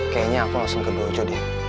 kayaknya aku langsung ke doco deh